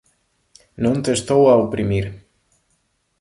Non te estou a oprimir.